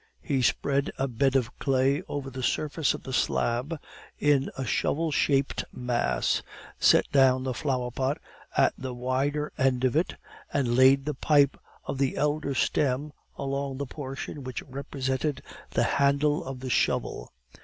He spread a bed of clay over the surface of the slab, in a shovel shaped mass, set down the flower pot at the wider end of it, and laid the pipe of the elder stem along the portion which represented the handle of the shovel.